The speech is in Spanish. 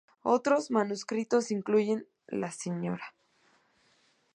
Otros manuscritos incluyen la Sra.